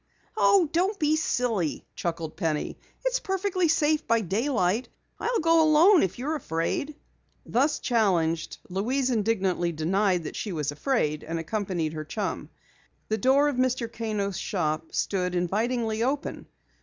"Oh, don't be silly," chuckled Penny. "It's perfectly safe by daylight. I'll go alone if you're afraid." Thus challenged, Louise indignantly denied that she was afraid, and accompanied her chum. The door of Mr. Kano's shop stood invitingly open.